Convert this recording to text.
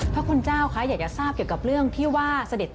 พระคุณเจ้าคะอยากจะทราบเกี่ยวกับเรื่องที่ว่าเสด็จ